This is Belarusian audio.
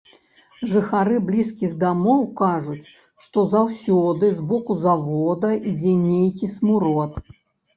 Жыхары блізкіх дамоў кажуць, што заўсёды з боку завода ідзе нейкі смурод.